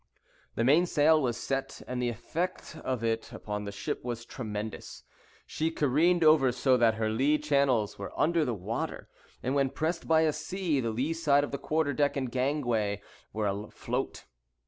The mainsail was set, and the effect of it upon the ship was tremendous. She careened over so that her lee channels were under the water; and when pressed by a sea, the lee side of the quarter deck and gangway were afloat.